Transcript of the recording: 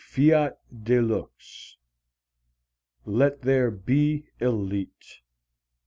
Fiat de lux. Let there be e lite.